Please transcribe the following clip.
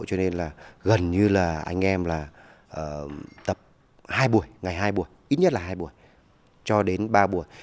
cho nên là gần như là anh em là tập hai buổi ngày hai buổi ít nhất là hai buổi cho đến ba buổi